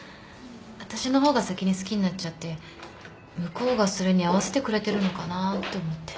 私のほうが先に好きになっちゃって向こうがそれに合わせてくれてるのかなって思って。